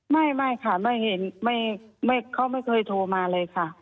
ไม่ค่ะเขาไม่เคยโทรมาเลยค่ะ